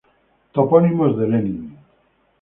Topónimos de Lenin